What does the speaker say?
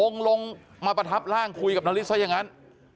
ลงมาประทับร่างคุยกับนาริสซะอย่างนั้น